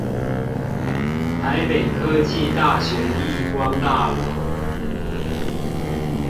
台北科技大學億光大樓